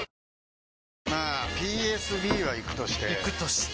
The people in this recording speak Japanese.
まあＰＳＢはイクとしてイクとして？